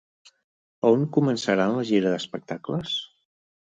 A on començaran la gira d'espectacles?